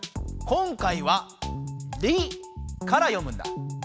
今回は「リ」から読むんだ。